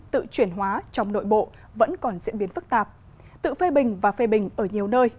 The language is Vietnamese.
tự chuyển hóa trong nội bộ vẫn còn diễn biến phức tạp tự phê bình và phê bình ở nhiều nơi